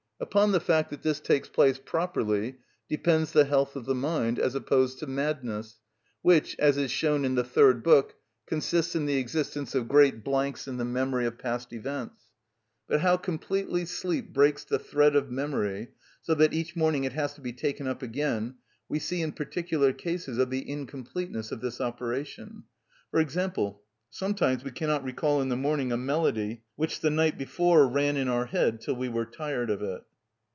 Upon the fact that this takes place properly depends the health of the mind, as opposed to madness, which, as is shown in the third book, consists in the existence of great blanks in the memory of past events. But how completely sleep breaks the thread of memory, so that each morning it has to be taken up again, we see in particular cases of the incompleteness of this operation. For example, sometimes we cannot recall in the morning a melody which the night before ran in our head till we were tired of it.